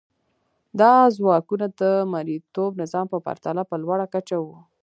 دا ځواکونه د مرئیتوب نظام په پرتله په لوړه کچه وو.